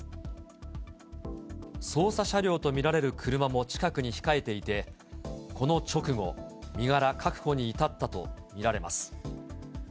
捜査車両と見られる車も近くに控えていて、この直後、身柄確保に至ったと見られます。